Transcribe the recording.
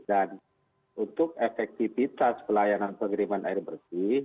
untuk efektivitas pelayanan pengiriman air bersih